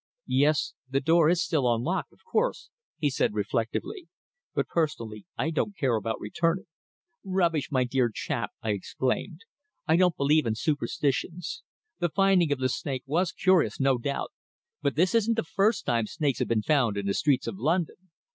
"Yes, the door is still unlocked, of course," he said reflectively, "but personally I don't care about returning." "Rubbish, my dear chap," I exclaimed. "I don't believe in superstitions. The finding of the snake was curious, no doubt, but this isn't the first time snakes have been found in the streets of London.